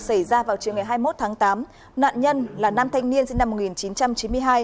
xảy ra vào trưa ngày hai mươi một tháng tám nạn nhân là nam thanh niên sinh năm một nghìn chín trăm chín mươi hai